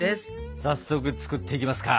早速作っていきますか！